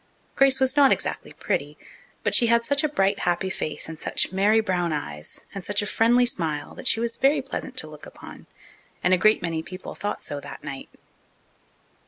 Grace was not exactly pretty, but she had such a bright, happy face and such merry brown eyes and such a friendly smile that she was very pleasant to look upon, and a great many people thought so that night.